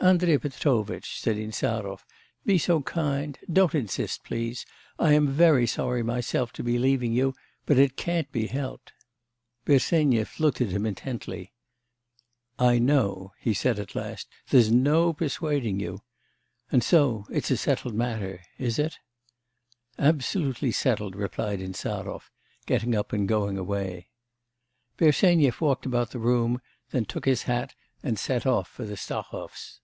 'Andrei Petrovitch,' said Insarov, 'be so kind... don't insist, please, I am very sorry myself to be leaving you, but it can't be helped.' Bersenyev looked at him intently. 'I know,' he said at last, 'there's no persuading you. And so, it's a settled matter, is it?' 'Absolutely settled,' replied Insarov, getting up and going away. Bersenyev walked about the room, then took his hat and set off for the Stahovs.